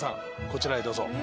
こちらへどうぞ。